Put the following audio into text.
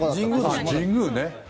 あ、神宮ね。